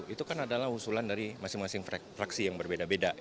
itu kan adalah usulan dari masing masing fraksi yang berbeda beda